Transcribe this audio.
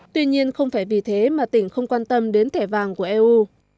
tuy nhiên không phải vì thế mà tỉnh không quan tâm đến thẻ vàng của eu